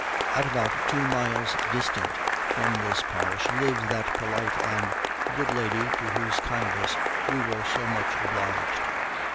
At about two miles distant from this parish lives that polite and good lady to whose kindness we were so much obliged.